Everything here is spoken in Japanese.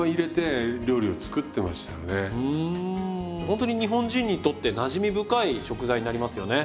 ほんとに日本人にとってなじみ深い食材になりますよね。